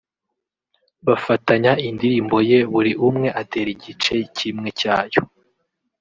bafatanya indirimbo ye buri umwe atera igice kimwe cyayo